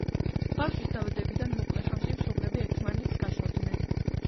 ბავშვის დაბადებიდან მოკლე ხანში მშობლები ერთმანეთს გაშორდნენ.